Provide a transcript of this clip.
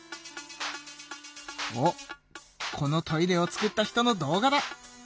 おっこのトイレを作った人の動画だ。